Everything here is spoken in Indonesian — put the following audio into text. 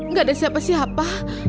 gak ada siapa siapa